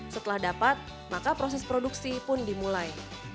setelah dapat maka proses produksi pun dimulai